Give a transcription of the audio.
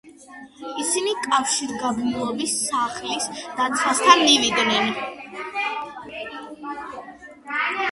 ისინი კავშირგაბმულობის სახლის დაცვასთან მივიდნენ.